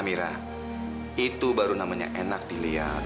itu baru namanya enak dilihat